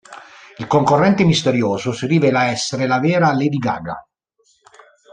Il concorrente misterioso si rivela essere la "vera" Lady Gaga.